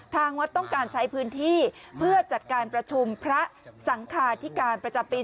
ทางวัดต้องการใช้พื้นที่เพื่อจัดการประชุมพระสังคาธิการประจำปี